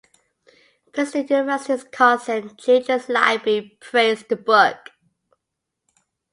Princeton University's Cotsen Children's Library praised the book.